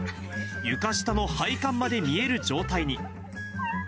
床下の配管まで見える状態に。